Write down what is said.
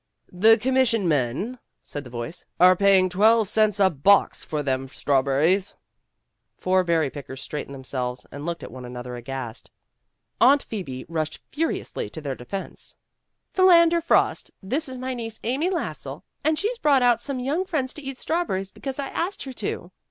"The commission men," said the voice, "are paying twelve cents a box for them strawberries." Four berry pickers straightened themselves and looked at one another aghast. Aunt 46 PEGGY RAYMOND'S WAY Phoebe rushed furiously to their defense. "Philander Frost, this is my niece, Amy Lassell, and she's brought out some young friends to eat strawberries, because I asked her to."